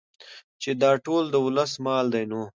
چې دا ټول د ولس مال دى نو